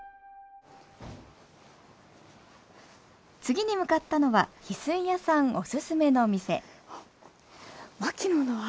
次に向かったのはヒスイ屋さんおすすめの店「マキノの」